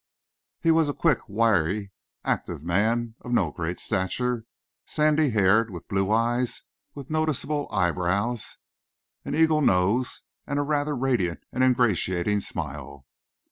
He was a quick, wiry, active man of no great stature, sandy haired, with blue eyes with noticeable eye brows, an eagle nose, and a rather radiant and ingratiating smile.